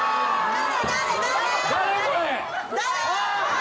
誰？